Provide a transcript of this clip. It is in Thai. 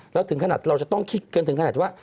แล้วถึงขนาดเราจะต้องคิดกันถึงขนาดว่า